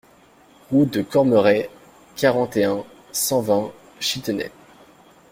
Route de Cormeray, quarante et un, cent vingt Chitenay